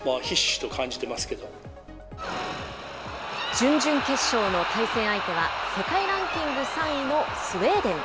準々決勝の対戦相手は、世界ランキング３位のスウェーデン。